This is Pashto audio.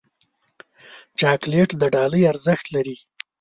چاکلېټ د ډالۍ ارزښت لري.